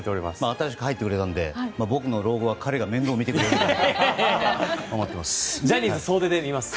新しく入ってくれたので僕の老後は彼が面倒を見てくれるんじゃないかと思っています。